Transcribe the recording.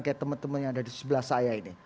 kayak temen temen yang ada di sebelah saya ini